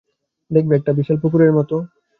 দেখবে একটা বিশাল পুকুরের মতো।